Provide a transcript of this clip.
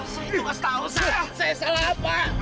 sial terserah apa